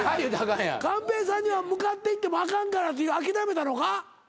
寛平さんには向かっていってもあかんから諦めたのか？